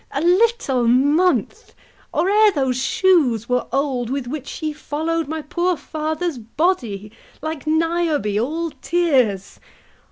A little month, or ere those shoes were old With which she followed my poor father's body Like Niobe, all tears.